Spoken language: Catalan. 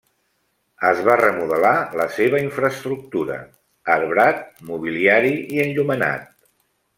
Es va remodelar la seva infraestructura: arbrat, mobiliari i enllumenat.